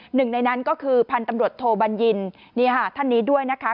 หนึ่งในนั้นก็คือพันธุ์ตำรวจโทบัญญินท่านนี้ด้วยนะคะ